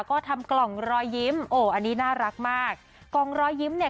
ก็ทำกล่องรอยยิ้มโอ้อันนี้น่ารักมากกล่องรอยยิ้มเนี่ย